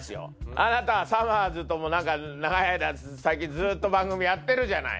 あなたはさまぁずとも長い間最近ずっと番組やってるじゃない。